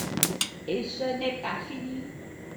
Et ce n’est pas fini.